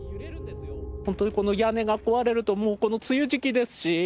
本当に屋根が壊れるともうこの梅雨時期ですし。